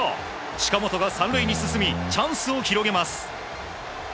近本が３塁に進みチャンスを広げます。